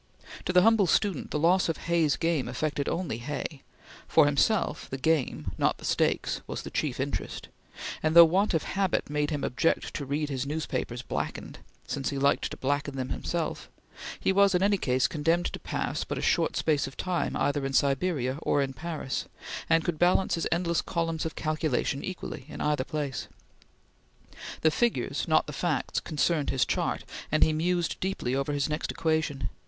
To the humble student, the loss of Hay's game affected only Hay; for himself, the game not the stakes was the chief interest; and though want of habit made him object to read his newspapers blackened since he liked to blacken them himself he was in any case condemned to pass but a short space of time either in Siberia or in Paris, and could balance his endless columns of calculation equally in either place. The figures, not the facts, concerned his chart, and he mused deeply over his next equation.